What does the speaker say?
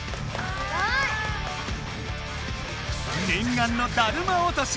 がんの「だるま落とし」